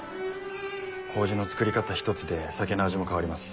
麹の作り方一つで酒の味も変わります。